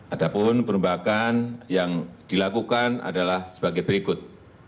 adapun perubahan yang dilakukan adalah sebagai berikut